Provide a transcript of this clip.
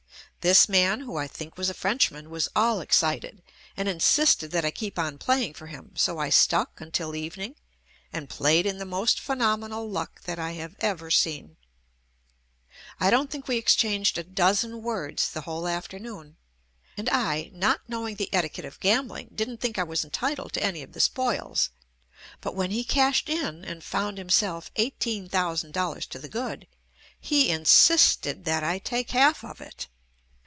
This man who I think was a French man, was all excited, and insisted that I keep on playing for him, so I stuck until evening and played in the most phenomenal luck that I have ever seen. I don't think we exchanged a dozen words the whole afternoon, and I, not knowing the etiquette of gambling, didn't think I was entitled to any of the spoils, but when he cashed in and found himself eighteen thou JUST ME sand dollars to the good, he insisted that I take half of it.